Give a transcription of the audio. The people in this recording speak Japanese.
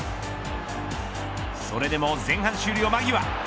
それでも前半終了間際。